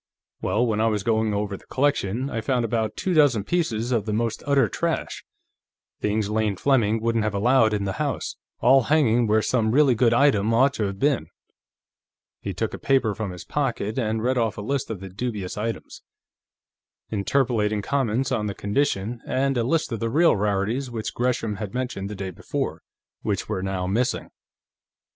Well, when I was going over the collection, I found about two dozen pieces of the most utter trash, things Lane Fleming wouldn't have allowed in the house, all hanging where some really good item ought to have been." He took a paper from his pocket and read off a list of the dubious items, interpolating comments on the condition, and a list of the real rarities which Gresham had mentioned the day before, which were now missing.